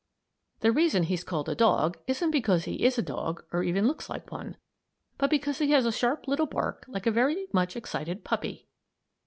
The reason he's called a dog isn't because he is a dog or even looks like one, but because he has a sharp little bark like a very much excited puppy.